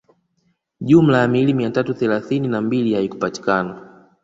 Jumla ya miili mia tatu thelathini na mbili haikupatikana